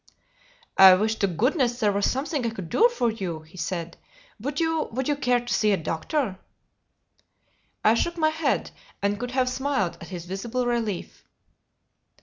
"I wish to goodness there was something I could do for you," he said. "Would you would you care to see a doctor?" I shook my head, and could have smiled at his visible relief.